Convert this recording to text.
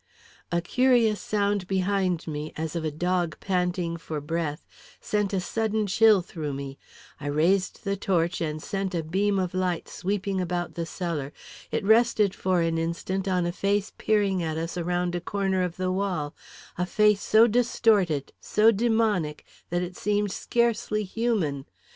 A curious sound behind me, as of a dog panting for breath, sent a sudden chill through me. I raised the torch and sent a beam of light sweeping about the cellar. It rested for an instant on a face peering at us around a corner of the wall a face so distorted, so demoniac, that it seemed scarcely human.